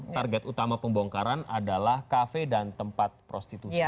target utama pembongkaran adalah kafe dan tempat prostitusi